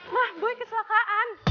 ma gue kecelakaan